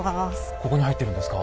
ここに入ってるんですか？